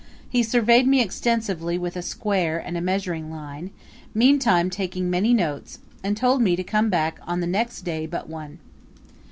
He surveyed me extensively with a square and a measuring line, meantime taking many notes, and told me to come back on the next day but one.